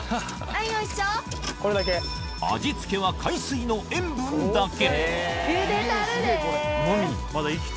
味付けは海水の塩分だけゆでたるで。